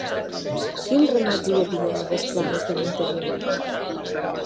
Quins ramats hi havia a les planes de l'interior?